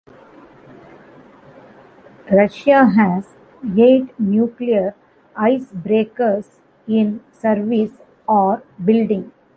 Russia has eight nuclear icebreakers in service or building.